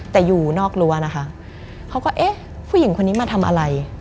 แต่อยู่นอกรั้วนะคะเขาก็เอ๊ะผู้หญิงคนนี้มาทำอะไร